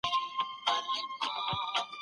پر مځکي باندي شنه واښه وليدل سول.